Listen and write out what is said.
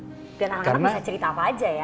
dan anak anak bisa cerita apa aja ya